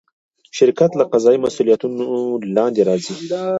شرکت له قضایي مسوولیتونو لاندې راځي.